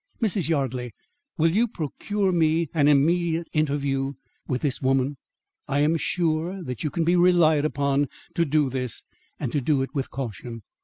Mrs. Yardley, will you procure me an immediate interview with this woman? I am sure that you can be relied upon to do this and to do it with caution.